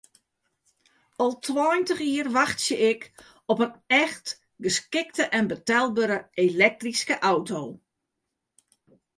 Al tweintich jier wachtsje ik op in echt geskikte en betelbere elektryske auto.